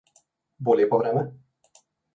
Bo lepo vreme?